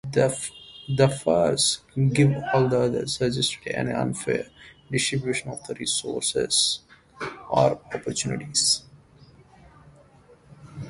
The phrase "give all the others" suggests an unfair distribution of resources or opportunities.